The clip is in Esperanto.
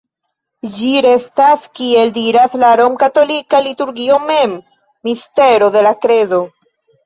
Ĝi restas, kiel diras la romkatolika liturgio mem, "mistero de la kredo".